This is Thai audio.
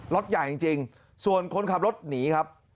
รถใหญ่จริงส่วนคนขับรถหนีครับ